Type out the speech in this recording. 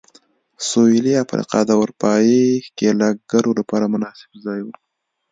سوېلي افریقا د اروپايي ښکېلاکګرو لپاره مناسب ځای و.